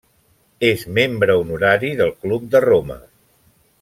És membre honorari del Club de Roma.